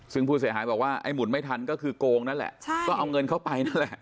ซึ่งผู้เสียหายบอกว่าไอ้หมุนไม่ทันก็คือโกงนั่นแหละใช่ก็เอาเงินเข้าไปนั่นแหละ